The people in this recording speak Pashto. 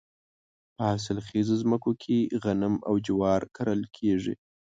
په حاصل خیزو ځمکو کې غنم او جوار کرل کیږي.